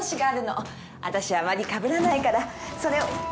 私あまり被らないからそれを。